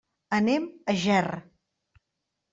Anem a Ger.